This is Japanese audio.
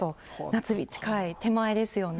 夏日近い、手前ですよね。